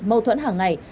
mâu thuẫn hàng ngày